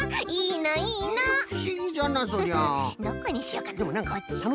どこにしようかな。